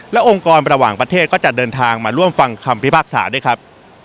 และองค์กรระหว่างประเทศก็จะเดินทางมาร่วมฟังคำพิพากษาด้วยครับ